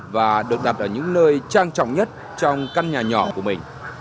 và được đặt ở những nơi trang trọng nhất trong căn nhà nhỏ của mình